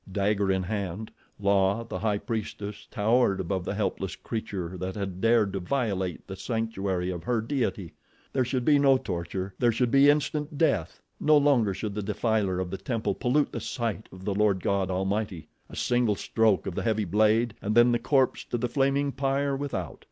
Dagger in hand, La, the High Priestess, towered above the helpless creature that had dared to violate the sanctuary of her deity. There should be no torture—there should be instant death. No longer should the defiler of the temple pollute the sight of the lord god almighty. A single stroke of the heavy blade and then the corpse to the flaming pyre without.